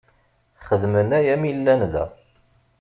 Xedmen aya mi llan da.